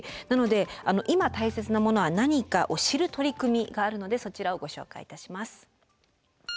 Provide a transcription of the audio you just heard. なので今たいせつなものは何かを知る取り組みがあるのでそちらをご紹介いたします。